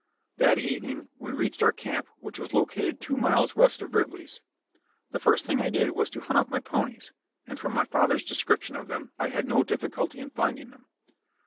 That evening we reached our camp, which was located two miles west of Rively's. The first thing I did was to hunt up my ponies, and from my father's description of them, I had no difficulty in finding them.